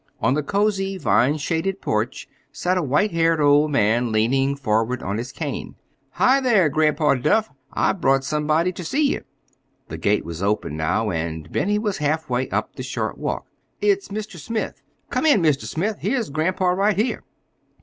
On the cozy, vine shaded porch sat a white haired old man leaning forward on his cane. "Hi, there, Grandpa Duff, I've brought somebody ter see ye!" The gate was open now, and Benny was halfway up the short walk. "It's Mr. Smith. Come in, Mr. Smith. Here's grandpa right here."